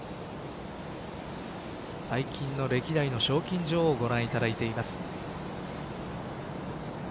最近の歴代の賞金女王をご覧いただいています。